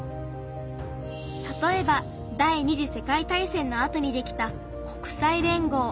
たとえば第２次世界大戦のあとにできた国際連合。